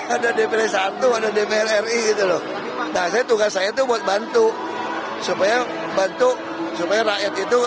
ada dpd satu ada dpr ri gitu loh nah saya tugas saya tuh buat bantu supaya bantu supaya rakyat itu